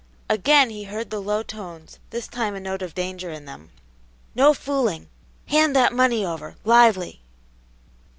Again he heard the low tones, this time a note of danger in them, "No fooling! Hand that money over, lively!"